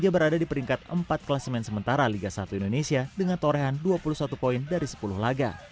berada di peringkat empat kelas main sementara liga satu indonesia dengan torehan dua puluh satu poin dari sepuluh laga